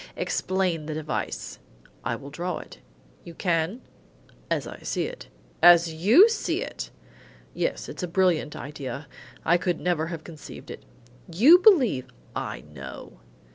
"Explain the device." "I will draw it." "You can?" "As I see it." "As you see it!" "Yes. It's a brilliant idea; I could never have conceived it." "You believe " "I know."